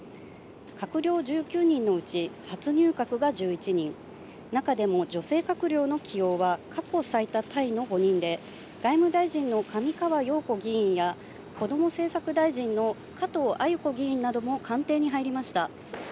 閣僚１９人のうち初入閣が１１人、中でも女性閣僚の起用は、過去最多タイの５人で、外務大臣の上川陽子議員や、こども政策大臣の加藤鮎子議員なども官邸に入りました。